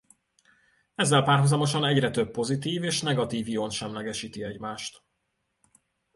Ezzel párhuzamosan egyre több pozitív és negatív ion semlegesíti egymást.